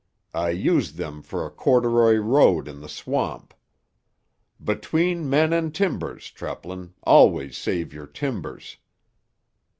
I used them for a corduroy road in the swamp. Between men and timbers, Treplin, always save your timbers."